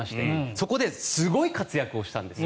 そこですごい活躍をしたんです。